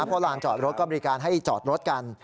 เพราะลานจอดรถก็บริการให้จอดรถกัน